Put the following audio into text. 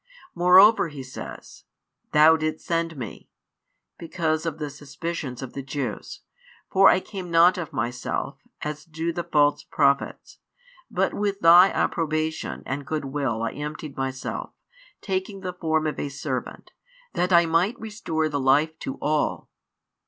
Moreover, He says: Thou didst send Me, because of the suspicions of the Jews: for I came not of Myself, as do the false prophets; but with Thy approbation and good will I emptied Myself, taking the form of a servant, that I might restore the life to all.